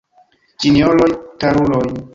Sinjoroj, karuloj!